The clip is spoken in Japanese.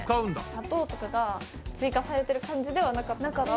砂糖とかが追加されてる感じではなかったから。